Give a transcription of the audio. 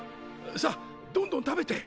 さどんどん食べて。